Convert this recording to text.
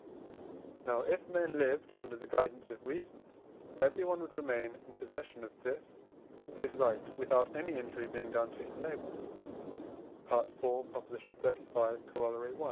Now, if men lived under the guidance of reason, everyone would remain in possession of this his right, without any injury being done to his neighbour (IV. xxxv. Coroll. i.).